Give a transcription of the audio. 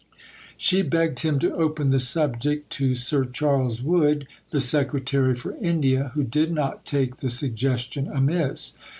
She begged him to open the subject to Sir Charles Wood, the Secretary for India, who did not take the suggestion amiss.